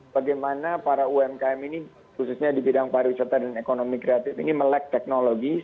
bagaimana para umkm ini khususnya di bidang pariwisata dan ekonomi kreatif ini melek teknologi